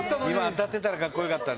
当たってたらカッコよかった。